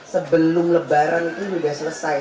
sebelum lebaran itu sudah selesai